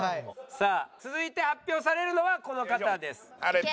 さあ続いて発表されるのはこの方です。